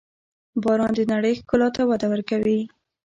• باران د نړۍ ښکلا ته وده ورکوي.